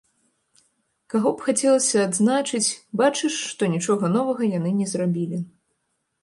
Каго б хацелася адзначыць, бачыш, што нічога новага яны не зрабілі.